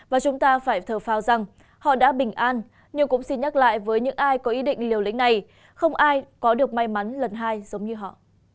và chúng ta phải thở phào rằng họ đã bình an nhưng cũng xin nhắc lại với những ai có ý định liều lĩnh này không ai có được may mắn lần hai giống như họ